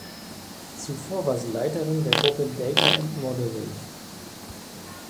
Zuvor war sie Leiterin der Gruppe Data and Modelling.